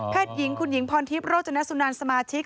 หญิงคุณหญิงพรทิพย์โรจนสุนันสมาชิก